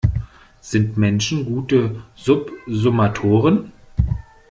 Sind Menschen gute Subsummatoren?